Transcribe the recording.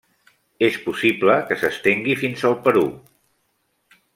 És possible que s'estengui fins al Perú.